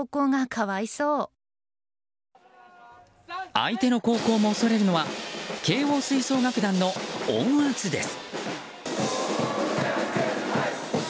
相手の高校も恐れるのは慶応吹奏楽団の音圧です。